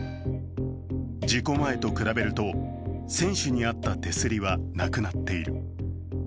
事故前と比べると、船首にあった手すりはなくなっている。